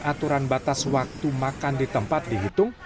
aturan batas waktu makan di tempat dihitung